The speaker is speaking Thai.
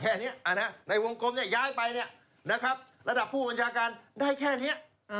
แค่นี้ในวงกลมย้ายไประดับผู้บัญชาการได้แค่นี้